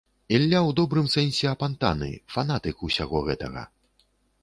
Ілля ў добрым сэнсе апантаны, фанатык усяго гэтага.